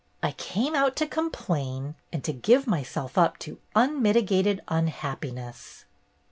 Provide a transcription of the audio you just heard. " I came out to complain and to give myself up to unmitigated unhappiness."